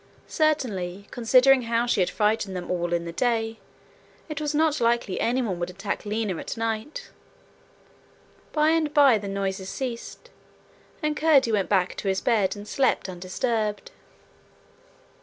Certainly, considering how she had frightened them all in the day, it was not likely any one would attack Lina at night. By and by the noises ceased, and Curdie went back to his bed, and slept undisturbed.